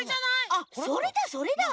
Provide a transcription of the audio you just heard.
あそれだそれだ！